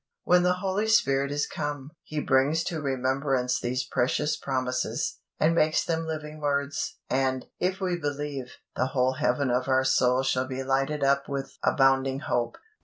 When the Holy Spirit is come, He brings to remembrance these precious promises, and makes them living words; and, if we believe, the whole heaven of our soul shall be lighted up with abounding hope.